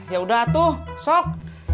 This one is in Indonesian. yaudah tuh sok